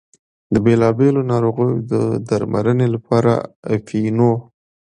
د بېلا بېلو ناروغیو د درملنې لپاره اپینو.